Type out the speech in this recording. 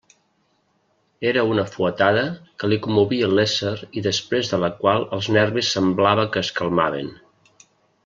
Era una fuetada que li commovia l'ésser i després de la qual els nervis semblava que es calmaven.